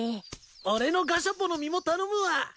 俺のガシャポの実も頼むわ。